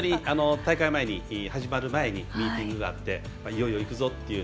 大会が始まる前ミーティングがあっていよいよいくぞという。